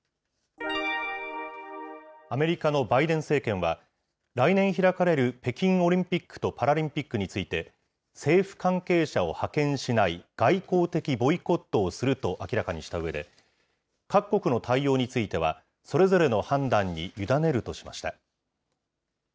アメリカのバイデン政権は、来年開かれる北京オリンピックとパラリンピックについて、政府関係者を派遣しない外交的ボイコットをすると明らかにしたうえで、各国の対応については、それぞれの判断に委ねるとしました。